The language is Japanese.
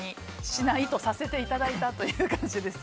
しないとさせていただいたという感じです。